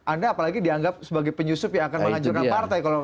anda apalagi dianggap sebagai penyusup yang akan menghancurkan partai